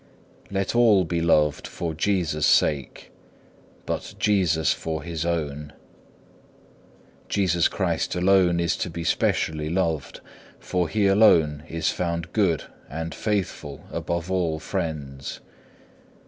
4. Let all be loved for Jesus' sake, but Jesus for His own. Jesus Christ alone is to be specially loved, for He alone is found good and faithful above all friends.